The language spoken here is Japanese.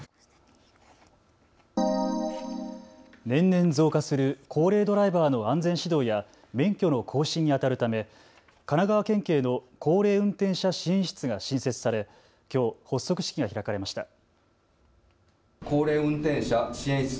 年々増加する高齢ドライバーの安全指導や免許の更新にあたるため神奈川県警の高齢運転者支援室が新設されきょう発足式が開かれました。